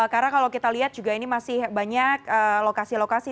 karena kalau kita lihat juga ini masih banyak lokasi lokasi